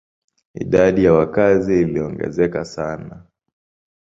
Idadi ya wakazi iliongezeka sana.